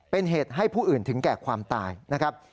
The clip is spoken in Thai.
เป็นเหตุให้ผู้อื่นถึงแก่ความตายนะครับ